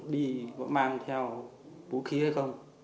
đi mang theo vũ khí hay không